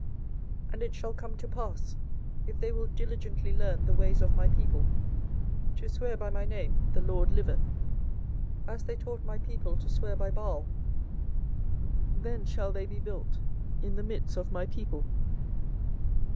24:012:016 And it shall come to pass, if they will diligently learn the ways of my people, to swear by my name, The LORD liveth; as they taught my people to swear by Baal; then shall they be built in the midst of my people.